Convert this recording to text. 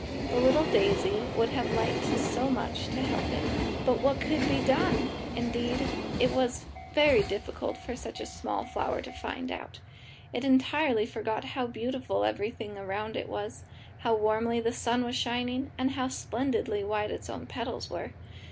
The little daisy would have liked so much to help it, but what could be done? Indeed, that was very difficult for such a small flower to find out. It entirely forgot how beautiful everything around it was, how warmly the sun was shining, and how splendidly white its own petals were.